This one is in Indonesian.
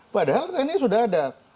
padahal tni sudah ada